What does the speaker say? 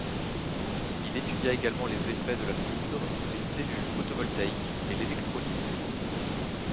Il étudia également les effets de la foudre, les cellules photovoltaïques et l'électrolyse.